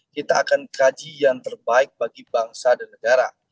kita akan kaji yang terbaik bagi bangsa dan negara